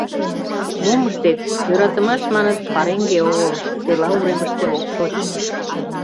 Мом ыштет, йӧратымаш, маныт, пареҥге огыл, села уремыште ок шоч.